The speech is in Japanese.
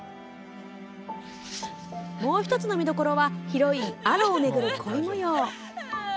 もう１つの見どころはヒロイン・アロを巡る恋模様。